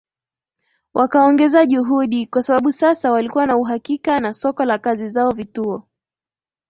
wakaongeza juhudi kwa sababu sasa walikuwa na uhakika na soko la kazi zao vituo